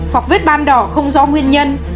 hoặc vết ban đỏ không rõ nguyên nhân